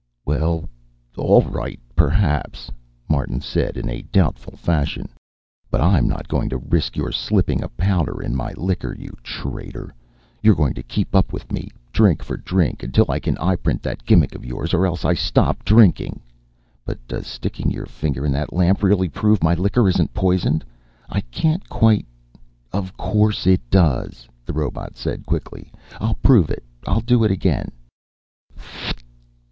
"Well, all right, perhaps," Martin said, in a doubtful fashion. "But I'm not going to risk your slipping a powder in my liquor, you traitor. You're going to keep up with me, drink for drink, until I can eyeprint that gimmick of yours or else I stop drinking. But does sticking your finger in that lamp really prove my liquor isn't poisoned? I can't quite " "Of course it does," the robot said quickly. "I'll prove it. I'll do it again